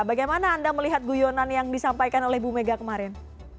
bagaimana anda melihat guyonan yang disampaikan oleh bumega kemarin